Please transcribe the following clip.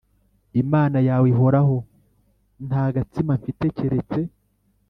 Imana yawe ihoraho nta gatsima mfite keretse